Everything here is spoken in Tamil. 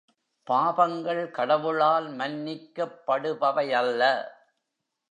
பாபங்கள் கடவுளால் மன்னிக்கப்படுபவையல்ல.